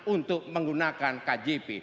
untuk menggunakan kjp